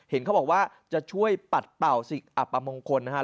เห็นเขาบอกว่าจะช่วยปัดเป่าสิ่งอัปมงคลนะครับ